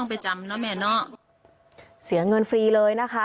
ไปจำเงินฟรีเลยนะคะ